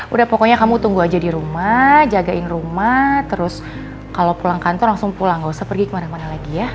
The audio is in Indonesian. udah pokoknya kamu tunggu aja di rumah jagain rumah terus kalau pulang kantor langsung pulang gak usah pergi kemana mana lagi ya